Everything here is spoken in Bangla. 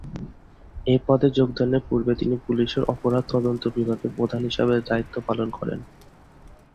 এ পদে যোগদানের পূর্বে তিনি পুলিশের অপরাধ তদন্ত বিভাগের প্রধান হিসেবে দায়িত্ব পালন করেন।